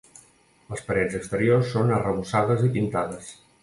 Les parets exteriors són arrebossades i pintades.